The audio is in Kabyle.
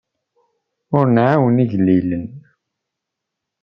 Ur nɛawen igellilen.